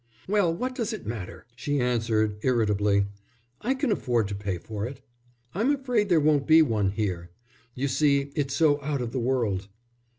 "Well, what does it matter?" she answered, irritably. "I can afford to pay for it." "I'm afraid there won't be one here. You see, it's so out of the world."